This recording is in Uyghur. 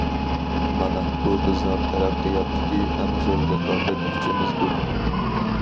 مانا بۇ بىزنىڭ تەرەققىياتتىكى ئەڭ زور رىقابەت كۈچىمىزدۇر.